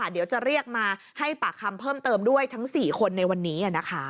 เดี๋ยวจะเรียกมาให้ปากคำเพิ่มเติมด้วยทั้ง๔คนในวันนี้